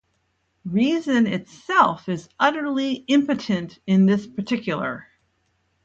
Reason itself is utterly impotent in this particular.